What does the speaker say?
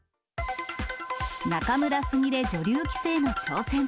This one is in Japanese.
仲邑菫女流棋聖の挑戦。